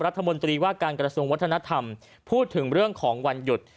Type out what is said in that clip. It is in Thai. รัฐมนตรีว่าการกระทรวงวัฒนธรรมพูดถึงเรื่องของวันหยุด